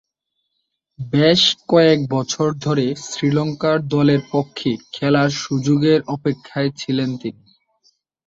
বেশ কয়েক বছর ধরে শ্রীলঙ্কা দলের পক্ষে খেলার সুযোগের অপেক্ষায় ছিলেন তিনি।